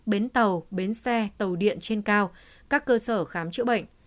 bến tàu bến xe tàu điện trên cao các cơ sở khám chữa bệnh